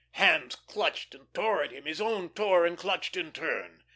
Hands clutched and tore at him, his own tore and clutched in turn.